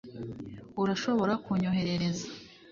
urashobora kunyoherereza